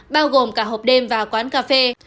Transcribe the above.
bao gồm cả hộp đêm và quán cà phê